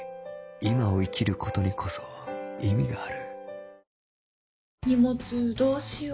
今を生きる事にこそ意味がある